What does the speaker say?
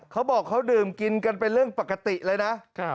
เขาบอกเขาดื่มกินกันเป็นเรื่องปกติเลยนะ